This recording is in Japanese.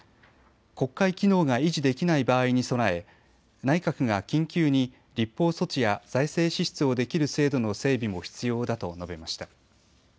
国会機能が維持できない場合に備え、内閣が緊急に立法措置や財政支出をできる制度の整備も必要だと述べました。